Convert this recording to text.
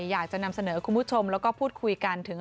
อยากจะนำเสนอคุณผู้ชมแล้วก็พูดคุยกันถึง